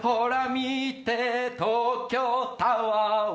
見て東京タワーは